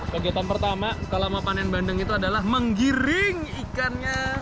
kegiatan pertama selama panen bandeng itu adalah menggiring ikannya